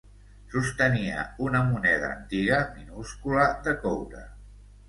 Sostenia una moneda antiga minúscula de coure.